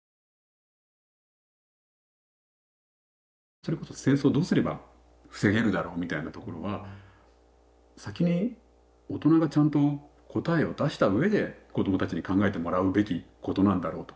それこそ戦争どうすれば防げるだろうみたいなところは先に大人がちゃんと答えを出したうえで子どもたちに考えてもらうべきことなんだろうと。